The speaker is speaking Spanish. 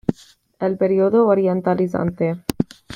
El Periodo Orientalizante.